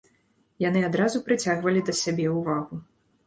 Яны адразу прыцягвалі да сябе ўвагу.